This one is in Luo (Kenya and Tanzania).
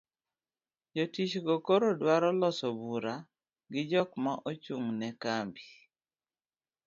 jotich go koro dwaro loso bura gi jok ma ochung'ne kambi